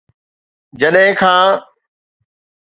جڏهن کان